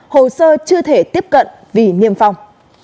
hồ sơ chưa thể tiếp cận vì niêm phong